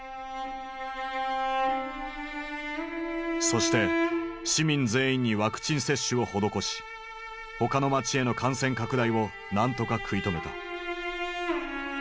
そして市民全員にワクチン接種を施し他の町への感染拡大を何とか食い止めた。